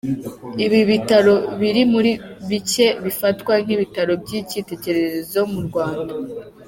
Ibi bitaro biri muri bike bifatwa nk’ibitaro by’icyitegererezo mu Rwanda.